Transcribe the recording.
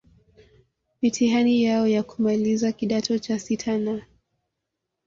mitihani yao ya kumaliza kidato cha sita na